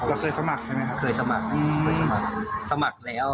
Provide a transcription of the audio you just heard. เราเคยสมัครใช่ไหมครับเคยสมัครสมัครแล้ว